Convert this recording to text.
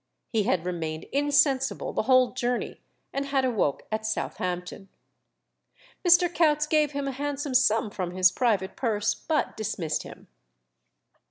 He had remained insensible the whole journey, and had awoke at Southampton. Mr. Coutts gave him a handsome sum from his private purse, but dismissed him.